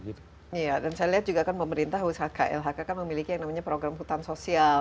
iya dan saya lihat juga kan pemerintah usaha klhk kan memiliki yang namanya program hutan sosial